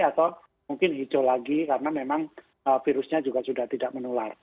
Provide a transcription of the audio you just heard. atau mungkin hijau lagi karena memang virusnya juga sudah tidak menular